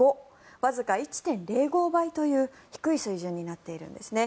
わずか１．０５倍という低い数字になっているんです。